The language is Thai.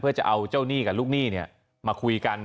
เพื่อจะเอาเจ้าหนี้กับลูกหนี้มาคุยกัน